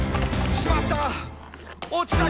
「しまった！